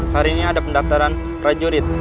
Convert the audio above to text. hari ini ada pendaftaran prajurit